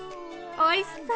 おいしそう！